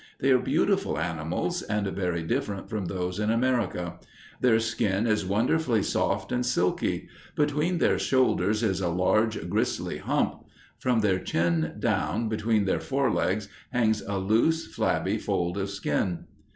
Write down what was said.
They are beautiful animals, and very different from those in America. Their skin is wonderfully soft and silky. Between their shoulders is a large gristly hump. From their chin down between their fore legs hangs a loose, flabby fold of skin.